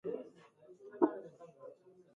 د مالیاتو اصلاح د اړتیا زیاتو مالیاتو مخه نیسي.